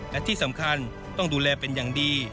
และที่สำคัญต้องดูแลเป็นอย่างดี